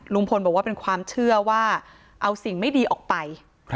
ลุงพลบอกว่าเป็นความเชื่อว่าเอาสิ่งไม่ดีออกไป